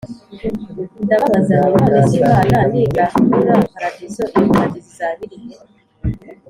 Ndababaza nti none se Imana nigarura paradizo iyo paradizo izaba iri he